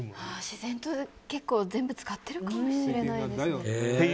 自然と結構全部使ってるかもしれないですね。